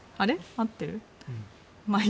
合ってる？